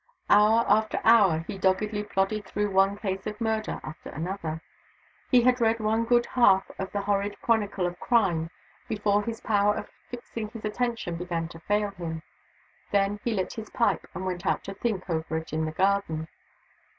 Hour after hour he doggedly plodded through one case of murder after another. He had read one good half of the horrid chronicle of crime before his power of fixing his attention began to fail him. Then he lit his pipe, and went out to think over it in the garden.